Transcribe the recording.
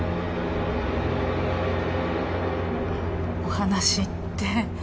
お話って。